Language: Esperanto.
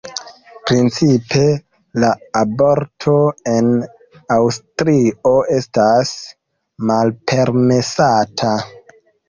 Principe la aborto en Aŭstrio estas malpermesata.